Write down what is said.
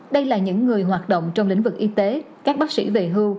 đây là những người hoạt động trong lĩnh vực y tế các bác sĩ về hưu